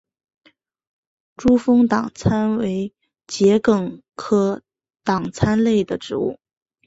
珠峰党参为桔梗科党参属的植物。